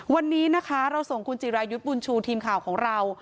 วันนี้นะคะเราส่งคุณจิรายุทธ์บุญชูทีมข่าวของเรา